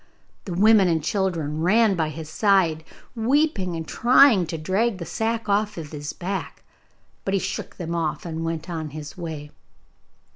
The women and children ran by his side, weeping and trying to drag the sack from off his back, but he shook them off, and went on his way.